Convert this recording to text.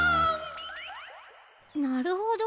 なるほど。